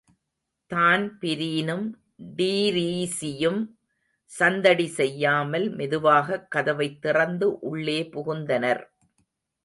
தான்பிரீனும் டீரீஸியும் சந்தடி செய்யாமல் மெதுவாகக் கதவைத் திறந்து உள்ளே புகுந்தனர்.